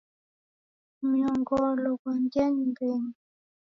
Mnyongolo ghwangia nyumbeni.